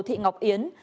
hồ thị ngọc yến